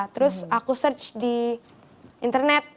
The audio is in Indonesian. terus aku search di internet